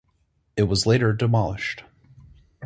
It was later demolished.